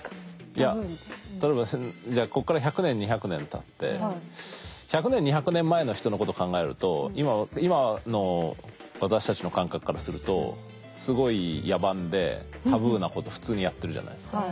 いや例えばこっから１００年２００年たって１００年２００年前の人のこと考えると今の私たちの感覚からするとすごい野蛮でタブーなこと普通にやってるじゃないですか。